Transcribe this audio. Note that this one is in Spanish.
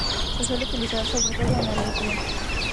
Se suele utilizar sobre todo en la Elegía.